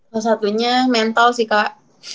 salah satunya mental sih kak